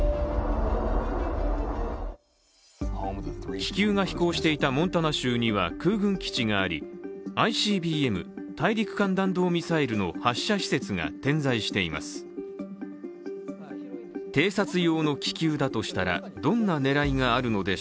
気球が飛行していたモンタナ州には空軍基地があり、ＩＣＢＭ＝大陸間弾道ミサイルの発射施設が点在しています。